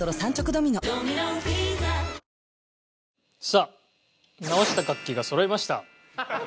さあ直した楽器がそろいました。